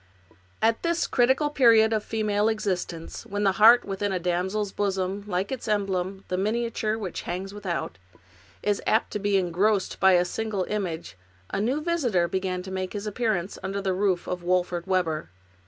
At this critical period of female existence, when the heart within a damsel's bosom, like its emblem, the miniature which hangs without, is apt to be engrossed by a single image, a new visitor began to make his appearance under the roof of Wolfert Webber.